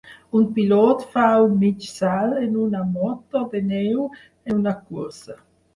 Un pilot fa un mig salt en una moto de neu en una cursa